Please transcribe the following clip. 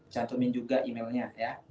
cantumin juga emailnya ya